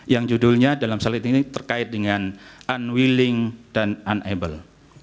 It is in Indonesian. yang judulnya dalam salit ini terkait dengan unwilling dan uneble